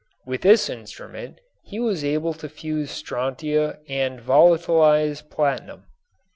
With this instrument he was able to fuse strontia and volatilize platinum.